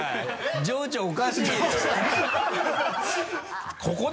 情緒おかしいよ！